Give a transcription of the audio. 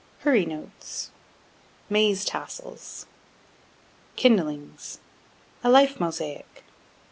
Hurry Notes, Maize Tassels....Kindlings, A Life Mosaic....